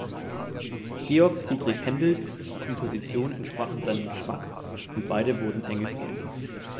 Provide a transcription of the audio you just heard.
Georg Friedrich Händels Kompositionen entsprachen seinem Geschmack, und beide wurden enge Freunde.